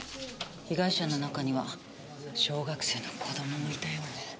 被害者の中には小学生の子供もいたようね。